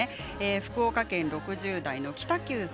福岡県６０代の方。